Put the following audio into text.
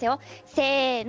せの。